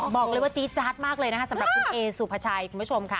บอกเลยว่าจี๊จาดมากเลยนะคะสำหรับคุณเอสุภาชัยคุณผู้ชมค่ะ